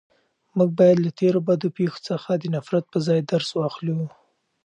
موږ باید له تېرو بدو پېښو څخه د نفرت په ځای درس واخلو.